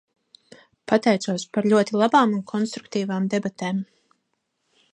Pateicos par ļoti labām un konstruktīvām debatēm.